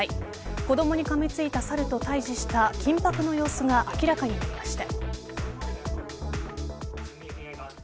子どもにかみついた猿と対峙した緊迫の様子が明らかになりました。